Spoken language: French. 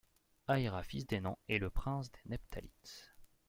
Ahira fils d'Enan est le prince des nephtalites.